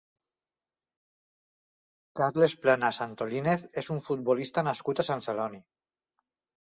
Carles Planas Antolínez és un futbolista nascut a Sant Celoni.